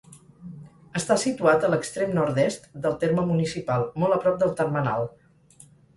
Està situat a l'extrem nord-est del terme municipal, molt a prop del termenal.